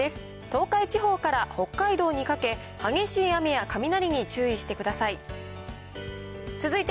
東海地方から北海道にかけ、激しい雨や雷に注意してください。